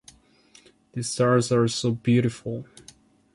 The stars are so beautiful.